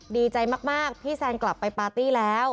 ดีใจมากพี่แซนกลับไปปาร์ตี้แล้ว